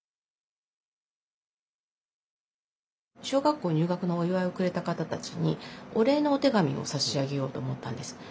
小学校入学のお祝いをくれた方たちにお礼のお手紙を差し上げようと思ったんです。